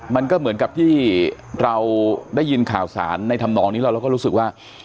มันก็เหมือนกับที่เราได้ยินข่าวสารในธรรมนองนี้แล้วเราก็รู้สึกว่า